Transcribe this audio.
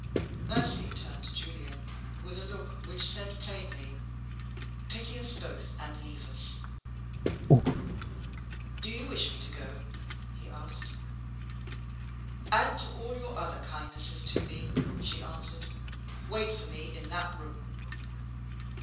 Mercy turned to Julian, with a look which said plainly, "Pity us both, and leave us!" "Do you wish me to go?" he asked. "Add to all your other kindnesses to me," she answered. "Wait for me in that room."